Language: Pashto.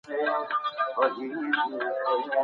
وروسته په هېواد کي لوی قیامتونه راغلل.